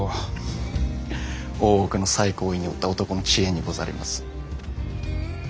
大奥の最高位におった男の知恵にござります。